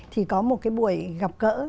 thì có một cái buổi gặp cỡ